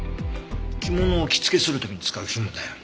着物を着付けする時に使う紐だよ。